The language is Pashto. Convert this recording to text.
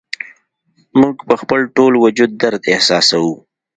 موږ په خپل ټول وجود درد احساسوو